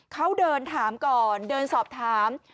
เขาเดินถามก่อนเดินสอบถาม